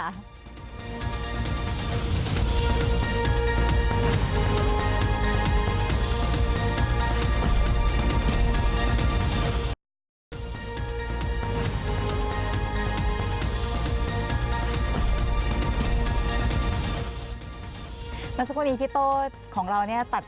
แล้วสักวันนี้พี่โตของเราเนี่ย